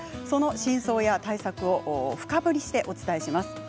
その真相や対策を深掘りしてお伝えします。